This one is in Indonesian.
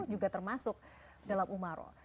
juga termasuk dalam umarok